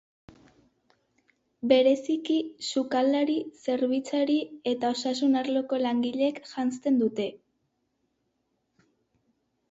Bereziki sukaldari, zerbitzari eta osasun arloko langileek janzten dute.